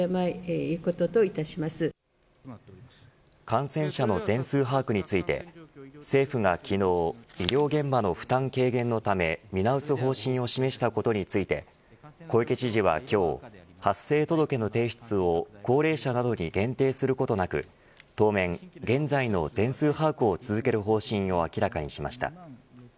感染者の全数把握について政府が昨日医療現場の負担軽減のため見直す方針を示したことについて小池知事は今日発生届の提出を高齢者などに限定することなく当面、現在の全数把握を続ける方針を明らかにしました。